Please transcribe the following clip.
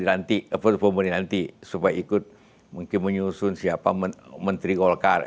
nanti performa nanti supaya ikut mungkin menyusun siapa menteri golkar